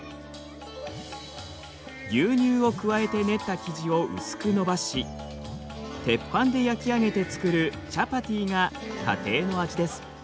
牛乳を加えて練った生地を薄く伸ばし鉄板で焼き上げて作るチャパティが家庭の味です。